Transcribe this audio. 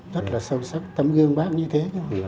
rất là sâu sắc tấm gương bác như thế